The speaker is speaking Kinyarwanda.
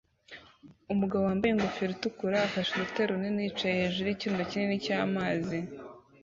Umugabo wambaye ingofero itukura afashe urutare runini yicaye hejuru yikirundo kinini cyamazi